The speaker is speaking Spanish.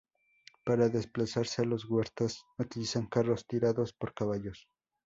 Para desplazarse a los huertos utilizan carros tirados por caballos.